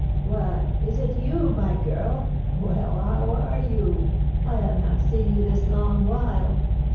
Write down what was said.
"What! Is it you, my girl? Well, how are you? I have not seen you this long while."